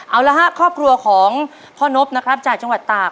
เอาละฮะครอบครัวของพ่อนบนะครับจากจังหวัดตาก